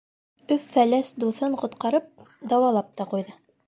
Өф-Фәләс дуҫын ҡотҡарып, дауалап та ҡуйҙы.